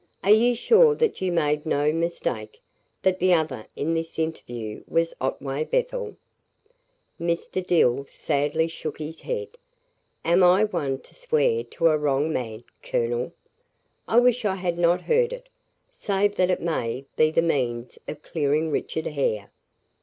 "Are you sure that you made no mistake that the other in this interview was Otway Bethel?" Mr. Dill sadly shook his head. "Am I one to swear to a wrong man, colonel? I wish I had not heard it save that it may be the means of clearing Richard Hare."